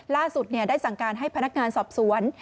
ล่าสุดได้สั่งการให้พนักงานสอบสวน